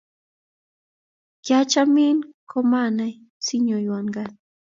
Kiachmin komanai sinyonwan kaaat